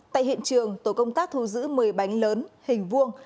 tại hiện trường tổ công tác thu giữ một mươi bánh lớn hình vuông